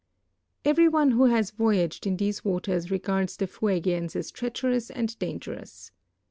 Every one who has voyaged in these waters regards the Fuegians as treacherous and dangerous.